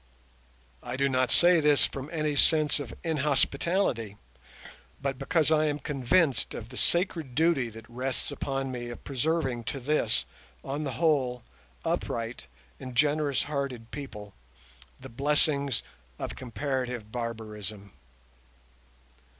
I do not say this from any sense of inhospitality, but because I am convinced of the sacred duty that rests upon me of preserving to this, on the whole, upright and generous hearted people the blessings of comparative barbarism.